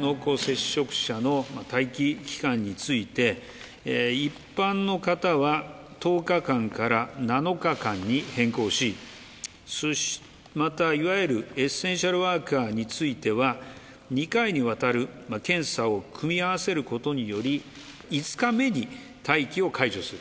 濃厚接触者の待機期間について、一般の方は１０日間から７日間に変更し、またいわゆるエッセンシャルワーカーについては、２回にわたる検査を組み合わせることにより、５日目に待機を解除する。